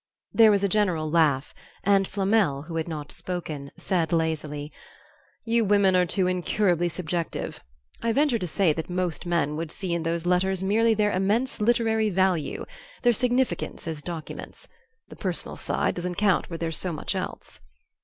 There was a general laugh, and Flamel, who had not spoken, said, lazily, "You women are too incurably subjective. I venture to say that most men would see in those letters merely their immense literary value, their significance as documents. The personal side doesn't count where there's so much else."